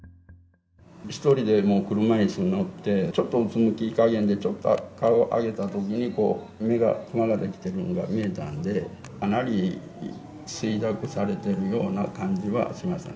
１人で車いすに乗って、ちょっとうつむきかげんで、ちょっと顔を上げたときに、こう目にくまができてるのが見えたんで、かなり衰弱されてるような感じはしましたね。